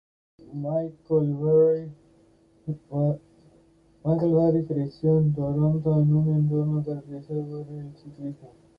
Michael Barry creció en Toronto en un entorno caracterizado por el ciclismo.